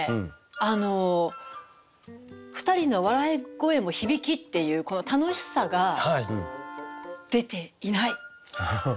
あの「ふたりの笑い声も響き」っていうこの楽しさが出ていないですか？